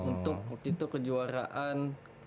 untuk waktu itu kejuaraan